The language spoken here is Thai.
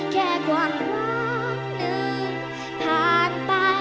แค่ความหวังหนึ่งผ่านไป